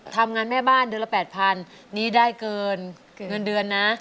ทำงานแท่งแม่บ้าน๘๐๐๐บาทเดือนนะ